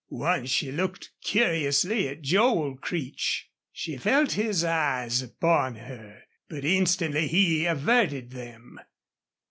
Once she looked curiously at Joel Creech. She felt his eyes upon her, but instantly he averted them.